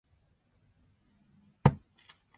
The back nine holes are located in the valley.